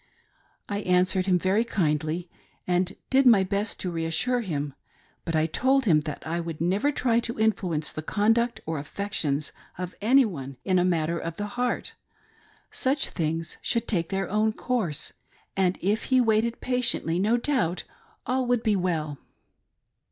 I answered him very kindly, and did my best to reassure him, but I told him that I never would try to influ ence the conduct or affections of any one in a matter of the heart ; such things should take their own course ; and if he waited patiently no doubt all would be well.